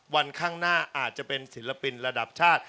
วันข้างหน้าอาจจะเป็นศิลปินระดับชาติ